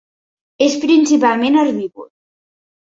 És principalment herbívor.